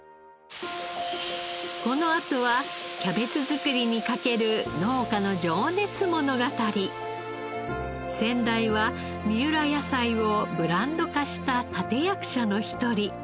このあとはキャベツ作りに懸ける先代は三浦野菜をブランド化した立役者の一人。